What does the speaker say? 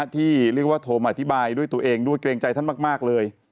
ที่เรียกว่าโทรมาอธิบายด้วยตัวเองด้วยเกรงใจท่านมากเลย